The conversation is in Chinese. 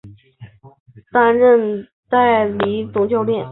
卡勒西莫担任代理总教练。